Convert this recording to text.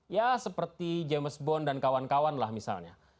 ya seperti james bond dan kawan kawan lah misalnya